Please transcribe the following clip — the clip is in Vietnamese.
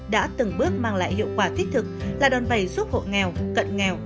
đã từng bước mang lại hiệu quả thích thực là đòn bày giúp hộ nghèo cận nghèo